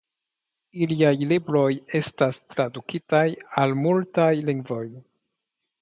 Iliaj libroj estas tradukitaj al multaj lingvoj.